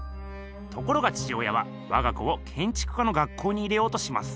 ところが父親はわが子をけんちく家の学校に入れようとします。